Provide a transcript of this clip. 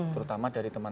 terutama dari teman teman